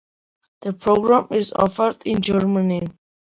The program is offered in German.